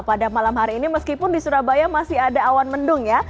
pada malam hari ini meskipun di surabaya masih ada awan mendung ya